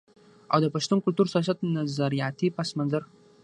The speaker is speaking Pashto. او د پښتون کلتور، سياست، نظرياتي پس منظر